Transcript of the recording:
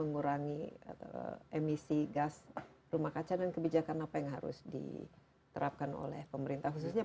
mengurangi emisi gas rumah kaca dan kebijakan apa yang harus diterapkan oleh pemerintah khususnya